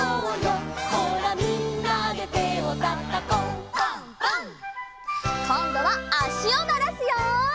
「ほらみんなで手をたたこう」「」こんどはあしをならすよ！